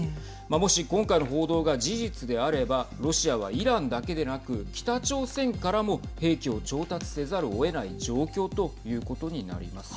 もし、今回の報道が事実であればロシアはイランだけでなく北朝鮮からも兵器を調達せざるをえない状況ということになります。